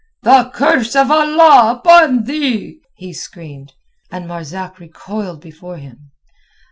"The curse of Allah upon thee!" he screamed, and Marzak recoiled before him.